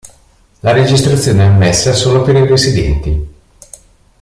La registrazione è ammessa solo per i residenti.